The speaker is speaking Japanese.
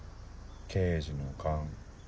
刑事の勘。